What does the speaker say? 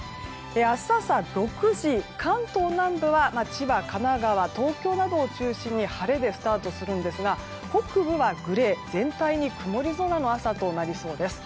明日朝６時、関東南部は千葉、神奈川、東京などを中心に晴れでスタートするんですが北部はグレー、全体に曇り空の朝となりそうです。